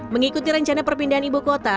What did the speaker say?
mengikuti rencana perpindahan ibu kota